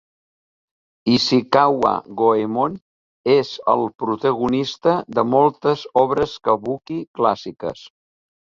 Ishikawa Goemon és el protagonista de moltes obres kabuki clàssiques.